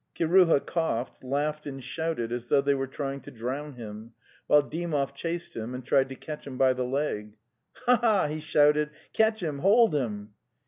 Kiruha coughed, laughed and shouted as though they were trying to drown him, while Dymov chased him and tried to catch him by the leg. '"Ha ha ha!"' he shouted. '' Catch him! Hold him!"